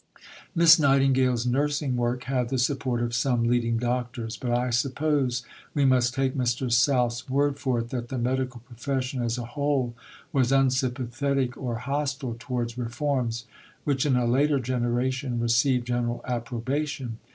Miss Nightingale's nursing work had the support of some leading doctors, but I suppose we must take Mr. South's word for it that the medical profession as a whole was unsympathetic or hostile towards reforms which in a later generation received general approbation.